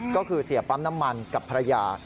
ก็คือเสียปั๊มน้ำมันกับภรรยา